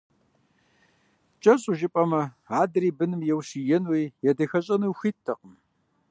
Кӏэщӏу жыпӏэмэ, адэр и быным еущиенууи, едахэщӏэнууи хуиттэкъым.